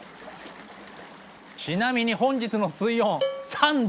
ちなみに本日の水温３℃。